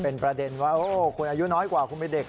เป็นประเด็นว่าคุณอายุน้อยกว่าคุณเป็นเด็ก